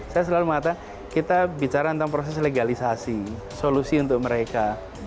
saya selalu mengatakan kita bicara tentang proses legalisasi solusi untuk mereka